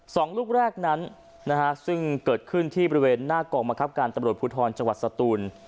สองลูกแรกนั้นนะฮะซึ่งเกิดขึ้นที่บริเวณหน้ากองบังคับการตำรวจภูทรจังหวัดสตูน